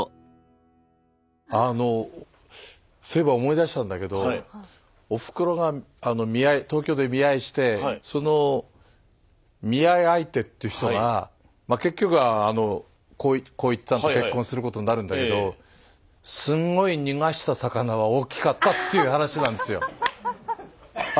あのそういえば思い出したんだけどおふくろがあの東京で見合いしてその見合い相手っていう人がまあ結局はあの幸一さんと結婚することになるんだけどすんごい逃した魚は大きかったっていう話なんですよ。